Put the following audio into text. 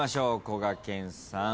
こがけんさん